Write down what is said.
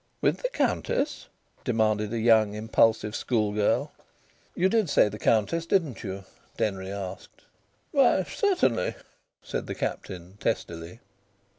"With the Countess?" demanded a young impulsive schoolgirl. "You did say the Countess, didn't you?" Denry asked. "Why, certainly," said the Captain, testily.